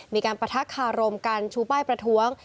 มีการปะทะคารมกันชูป้ายประท้วง